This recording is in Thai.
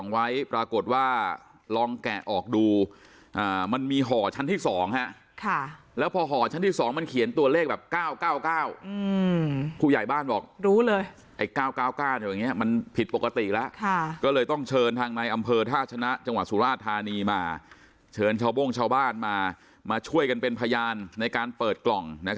ไว้ปรากฏว่าลองแกะออกดูมันมีห่อชั้นที่๒แล้วพอห่อชั้นที่๒มันเขียนตัวเลขแบบ๙๙๙ผู้ใหญ่บ้านบอกรู้เลยไอ้๙๙๙อย่างนี้มันผิดปกติแล้วก็เลยต้องเชิญทางในอำเภอท่าชนะจังหวัดสุราธานีมาเชิญชาวโบ้งชาวบ้านมามาช่วยกันเป็นพยานในการเปิดกล่อง